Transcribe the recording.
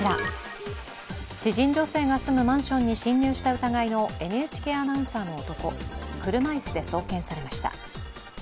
知人女性が住むマンションに侵入した疑いのＮＨＫアナウンサーの男車椅子で送検されました。